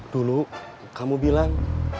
dulu kamu bilang